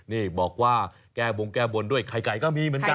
นี่บอกว่าแก้บงแก้บนด้วยไข่ไก่ก็มีเหมือนกัน